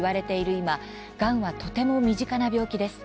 今がんは、とても身近な病気です。